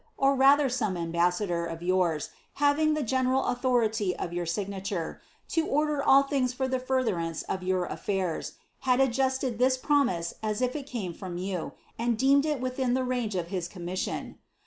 or raiher aomr amtiaasador of yours haring the getienl authoriiy of your signature, lo order all things for the furtherance of your aAiis, bad adjusted this promiae as if it came from you, and deemed it wilhin the range of Ids commission.